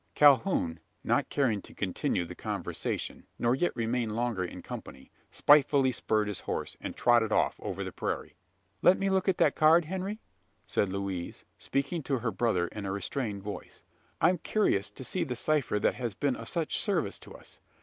Calhoun, not caring to continue the conversation, nor yet remain longer in company, spitefully spurred his horse, and trotted off over the prairie. "Let me look at that card, Henry?" said Louise, speaking to her brother in a restrained voice. "I'm curious to see the cipher that has been of such service to us.